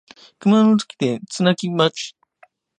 熊本県津奈木町